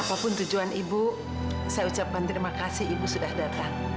apapun tujuan ibu saya ucapkan terima kasih ibu sudah datang